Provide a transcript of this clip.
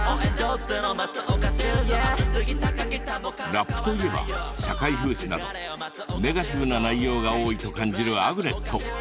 ラップといえば社会風刺などネガティブな内容が多いと感じるアグネット。